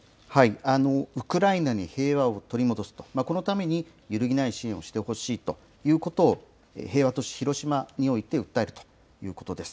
ウクライナに平和を取り戻すと、このために揺るぎない支援をしてほしいということを平和都市、広島において訴えるということです。